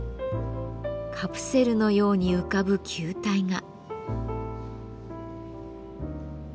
カプセルのように浮かぶ球体が。